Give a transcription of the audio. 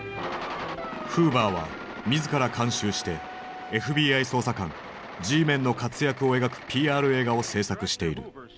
フーバーは自ら監修してＦＢＩ捜査官Ｇメンの活躍を描くＰＲ映画を製作している。